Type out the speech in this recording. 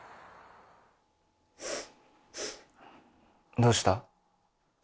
どうした？